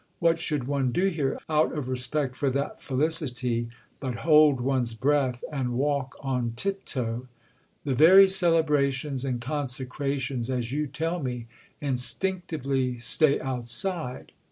What should one do here, out of respect for that felicity, but hold one's breath and walk on tip toe? The very celebrations and consecrations, as you tell me, instinctively stay outside.